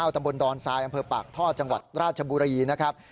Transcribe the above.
ตำบลดอนทรายอำเภอปากท่อจังหวัดราชบุรีนะครับ